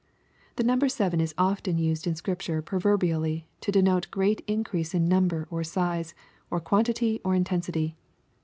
] The number seven is often used in Scripture proverbially, to denote great increase in number, or size, or quantity, or intensity.